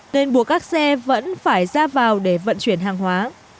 nên buộc các xe vẫn phải ra vào để vận chuyển hàng hóa